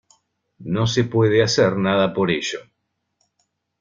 No se puede hacer nada por ello.